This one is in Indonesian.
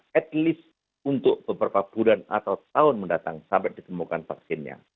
at least untuk beberapa bulan atau tahun mendatang sampai ditemukan vaksinnya